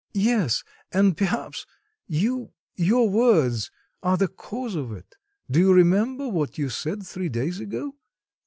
"Yes and perhaps you, your words are the cause of it. Do you remember what you said three days ago?